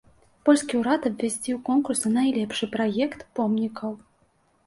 Польскі ўрад абвясціў конкурс на найлепшы праект помнікаў.